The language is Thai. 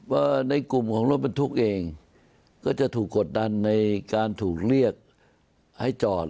ว่าในกลุ่มของรถบรรทุกเองก็จะถูกกดดันในการถูกเรียกให้จอด